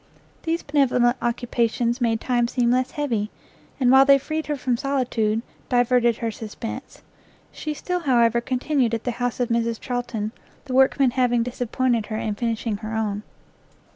These benevolent occupations made time seem less heavy, and while they freed her from solitude, diverted her suspense. She still, however, continued at the house of Mrs Charlton, the workmen having disappointed her in finishing her own.